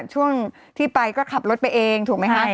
ช่วงที่ไปก็ขับรถไปเองถูกไหมคะ